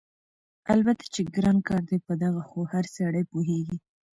البته چې ګران کار دی په دغه خو هر سړی پوهېږي،